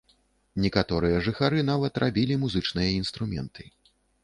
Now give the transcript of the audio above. Некаторыя жыхары нават рабілі музычныя інструменты.